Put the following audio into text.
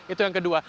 itu yang kedua